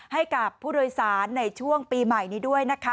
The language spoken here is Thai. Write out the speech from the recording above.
ให้กับผู้โดยสารในช่วงปีใหม่นี้ด้วยนะคะ